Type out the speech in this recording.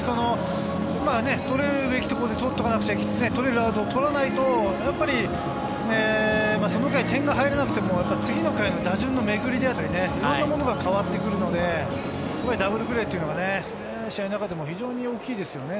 本当に取るべきところで取れるアウトを取らないと、その回、点が入らなくても次の回の打順の巡りであったり、いろんなことが変わってくるので、ダブルプレーというのは試合の中でも非常に大きいですよね。